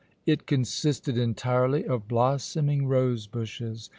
It consisted entirely of blossoming rose bushes.